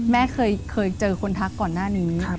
แม่เคยเจอคนทักก่อนหน้านี้